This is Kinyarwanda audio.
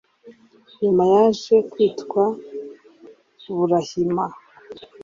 nyuma yaje kwitwa burahima